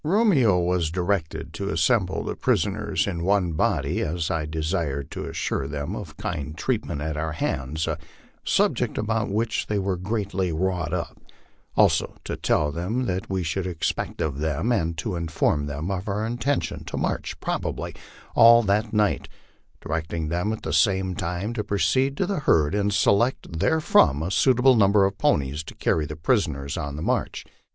Romeo was directed to assemble the prisoners in one body, as I desired to assure them of kind treatment at our hands, a subject about which they were greatly wrought up; also to tell them what we should expect of them, and to inform them of our intention to march probably all that night, directing them at the same time to proceed to the herd and select there from a suitable number of ponies to carry the prisoners on the march.